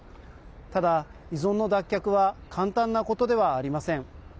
ただ、依存の脱却は簡単なことではありません。